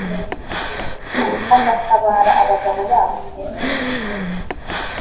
hagatabara abagabo babo pe